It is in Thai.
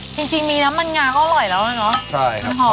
จริงจริงมีน้ำมันงาก็อร่อยแล้วนะเนอะใช่น่ะมันหอปมา